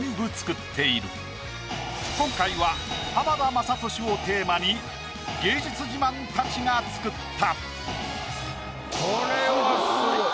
今回は浜田雅功をテーマに芸術自慢たちが作った。